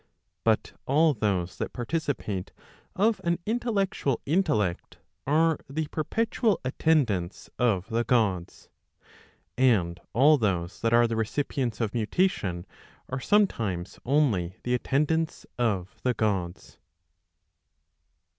But all those that participate of an intellectual intellect, are the perpetual attendants of the Gods. And all those that are the recipients of mutation, are sometimes only the attendants of the Gods.